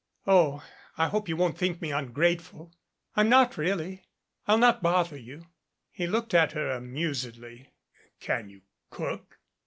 Oh, I hope you won't think me ungrateful. I'm not, really. I'll not bother you." He looked at her amusedly. "Can you cook?"